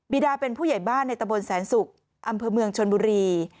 ดาเป็นผู้ใหญ่บ้านในตะบนแสนศุกร์อำเภอเมืองชนบุรี